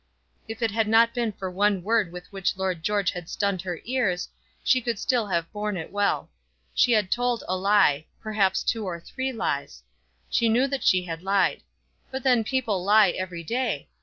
If it had not been for one word with which Lord George had stunned her ears, she could still have borne it well. She had told a lie; perhaps two or three lies. She knew that she had lied. But then people lie every day.